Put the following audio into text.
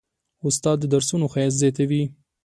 استاد د درسونو ښایست زیاتوي.